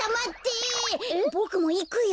ボクもいくよ。